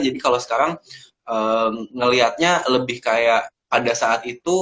jadi kalau sekarang ngelihatnya lebih kayak pada saat itu